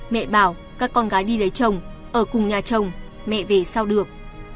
mẹ bảo các con gái đi lấy chồng ở cùng nhà chồng mẹ về sau được